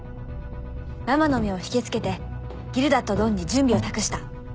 ママの目を引きつけてギルダとドンに準備を託した。